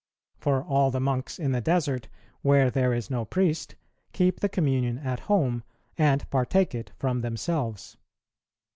For all the monks in the desert, where there is no priest, keep the communion at home, and partake it from themselves.